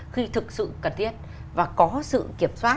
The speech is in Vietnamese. khi thực sự cần thiết và có sự kiểm soát